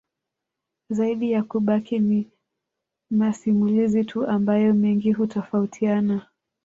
Zaidi ya kubaki ni masimulizi tu ambayo mengi hutofautina